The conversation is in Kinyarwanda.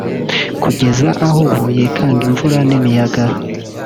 kugeza aho ubu yikanga imvura n’imiyaga